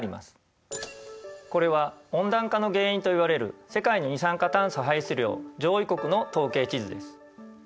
これは温暖化の原因といわれる世界の二酸化炭素排出量上位国の統計地図です。